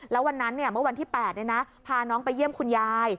แล้ววันนั้นเมื่อวันที่๘พาน้องไปเยี่ยมคุณยาย